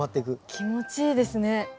気持ちいいですね。